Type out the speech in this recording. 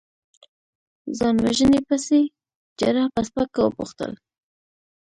ځان وژنې پسې؟ جراح په سپکه وپوښتل.